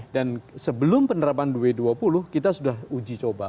dan sebelum penerapan b dua puluh kita sudah uji coba